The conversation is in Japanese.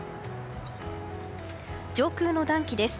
上空の暖気です。